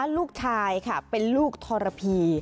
ลูกชายค่ะเป็นลูกทรพี